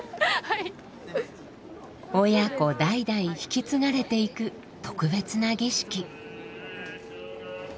親子代々引き継がれていく特別な儀式。